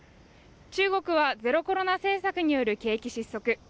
中国はゼロコロナ政策政策による景気失速